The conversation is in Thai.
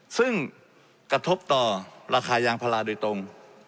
ซึ่งกระทบต่อราคายางพาราโดยตรง